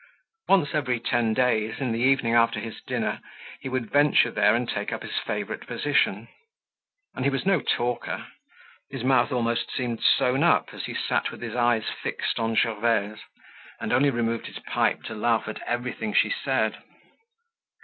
Once every ten days, in the evening after his dinner, he would venture there and take up his favorite position. And he was no talker, his mouth almost seemed sewn up, as he sat with his eyes fixed on Gervaise, and only removed his pipe to laugh at everything she said.